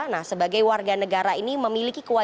nah sebagai warga negara ini memiliki kewajiban